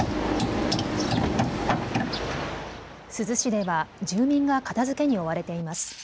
珠洲市では住民が片づけに追われています。